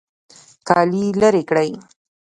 کالي لرې کړئ